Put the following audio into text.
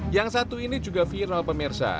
yang satu ini juga viral pemirsa